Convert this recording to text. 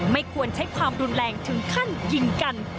ไม่ควรใช้ความรุนแรงถึงขั้นยิงกัน